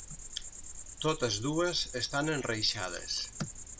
Totes dues estan enreixades.